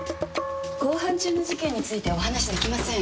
公判中の事件についてお話しできません。